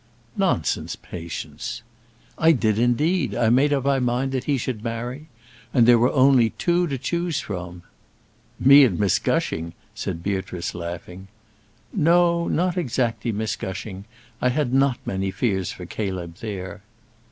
"Nonsense, Patience." "I did, indeed. I made up my mind that he should marry; and there were only two to choose from." "Me and Miss Gushing," said Beatrice, laughing. "No; not exactly Miss Gushing. I had not many fears for Caleb there."